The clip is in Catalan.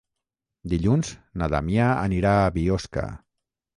Dilluns na Damià anirà a Biosca.